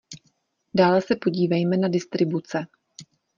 Dále se podívejme na distribuce.